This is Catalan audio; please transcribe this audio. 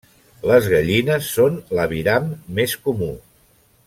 Les gallines són l'aviram més comú.